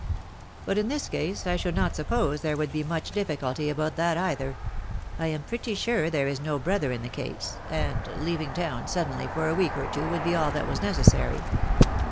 But in this case I should not suppose there would be much difficulty about that either ; I am pretty sure there is no brother in the case, and leaving town suddenly for a week or two would be aU that was necessary."